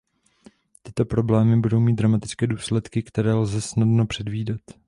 Tyto problémy budou mít dramatické důsledky, které lze snadno předvídat.